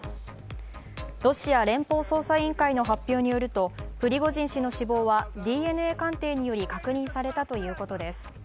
ロシア連邦捜査委員会の発表によると、プリゴジン氏の死亡はＤＮＡ鑑定により確認されたということです。